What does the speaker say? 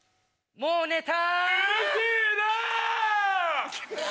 もう寝た？